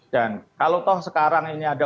dan kalau toh sekarang ini ada